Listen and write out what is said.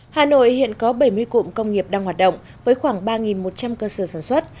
hà nội hiện có bảy mươi cụm công nghiệp đang hoạt động với khoảng ba một trăm linh cơ sở sản xuất